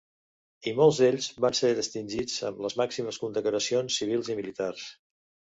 I molts d'ells van ser distingits amb les màximes condecoracions civils i militars.